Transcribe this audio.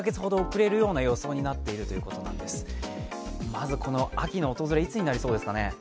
まず、この秋の訪れいつになりそうですかね？